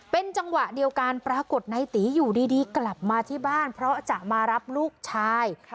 เป็นจังหวะเดียวกันปรากฏในตีอยู่ดีกลับมาที่บ้านเพราะจะมารับลูกชาย